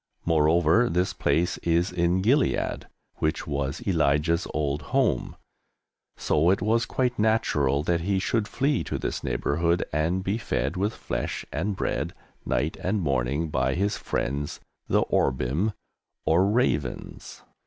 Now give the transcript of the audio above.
Moreover, this place is in Gilead, which was Elijah's old home, so it was quite natural that he should flee to this neighbourhood and be fed with flesh and bread, night and morning, by his friends the Orbim, or "Ravens."